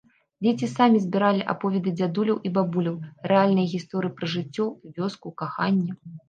Дзеці самі збіралі аповеды дзядуляў і бабуляў, рэальныя гісторыі пра жыццё, вёску, каханне.